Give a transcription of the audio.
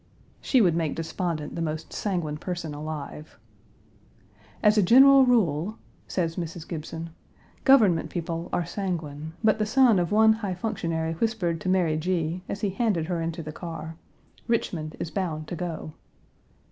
She would make despondent the most sanguine person alive. "As a general rule," says Mrs. Gibson, "government people are sanguine, but the son of one high functionary whispered to Mary G., as he handed her into the car, 'Richmond is bound to go.'